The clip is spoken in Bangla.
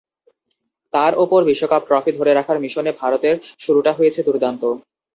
তার ওপর বিশ্বকাপ ট্রফি ধরে রাখার মিশনে ভারতের শুরুটা হয়েছে দুর্দান্ত।